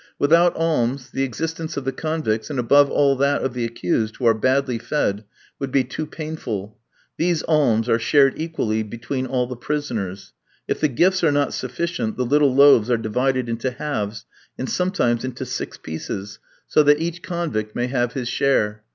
Without alms, the existence of the convicts, and above all that of the accused, who are badly fed, would be too painful. These alms are shared equally between all the prisoners. If the gifts are not sufficient, the little loaves are divided into halves, and sometimes into six pieces, so that each convict may have his share.